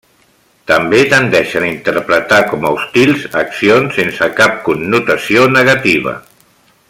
També tendeixen a interpretar com a hostils accions sense cap connotació negativa.